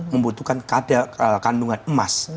membutuhkan kadar kandungan emas